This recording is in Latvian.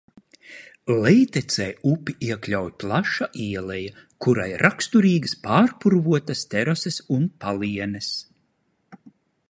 Lejtecē upi iekļauj plaša ieleja, kurai raksturīgas pārpurvotas terases un palienes.